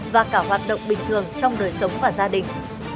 và cả hoạt động bình thường trong đời sống và gia đình